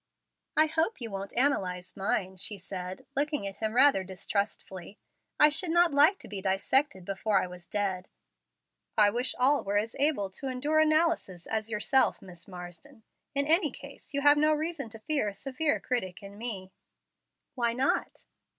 "I hope you won't analyze mine," she said, looking at him rather distrustfully. "I should not like to be dissected before I was dead." "I wish all were as able to endure analysis as yourself, Miss Marsden. In any case, you have no reason to fear a severe critic in me." "Why not?"